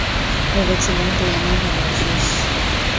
ভেবেছিলাম তুই আমায় ভালোবাসিস।